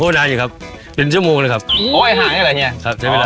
โอ้ยนานอยู่ครับเป็นชั่วโมงนะครับโอ้ยไอ้หางเนี้ยเหรอเฮีย